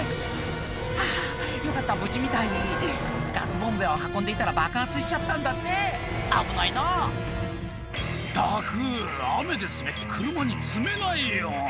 あぁよかった無事みたいガスボンベを運んでいたら爆発しちゃったんだって危ないなぁ「ったく雨で滑って車に積めないよ」